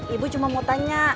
ibu cuma mau tanya